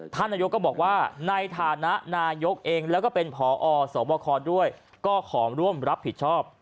ท่านนายกก็บอกว่าในฐานะนายกเองแล้วก็เป็นพอสวบคด้วยก็ขอร่วมรับผิดชอบ